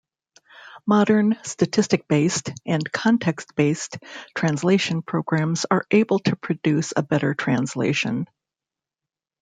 Modern statistic-based and context-based translation programs are able to produce a better translation.